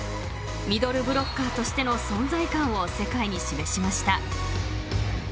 ［ミドルブロッカーとしての存在感を世界に示しました］